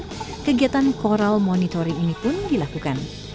di bitung kegiatan coral monitoring ini pun dilakukan